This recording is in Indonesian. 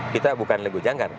kita bukan legu janggar